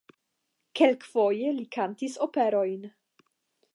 Kelkfoje li kantis operojn.